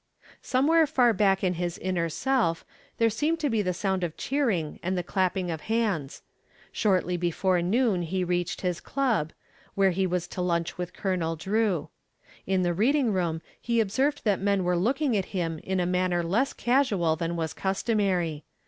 Somewhere far back in his inner self there seemed to be the sound of cheering and the clapping of hands. Shortly before noon he reached his club, where he was to lunch with Colonel Drew. In the reading room he observed that men were looking at him in a manner less casual than was customary.